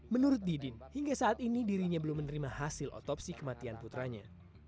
menurut didin hingga saat ini dirinya belum menerima hasil otopsi kematian putranya